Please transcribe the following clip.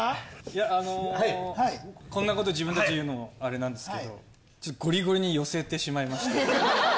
いやあのこんなこと自分たちで言うのもあれなんですけどゴリゴリに寄せてしまいまして。